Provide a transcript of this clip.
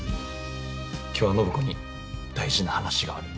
今日は暢子に大事な話がある。